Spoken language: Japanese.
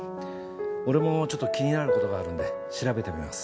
俺もちょっと気になることがあるんで調べてみます。